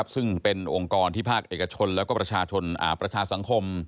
ซึ่งเป็นองค์กรที่ภาคเอกชนและประชาชนประชาสังคม